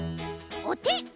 おて！